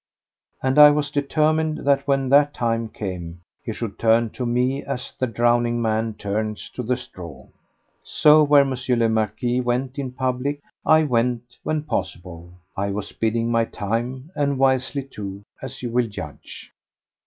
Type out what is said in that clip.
And I was determined that when that time came he should turn to me as the drowning man turns to the straw. So where M. le Marquis went in public I went, when possible. I was biding my time, and wisely too, as you will judge.